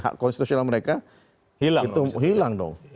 hak konstitusional mereka itu hilang dong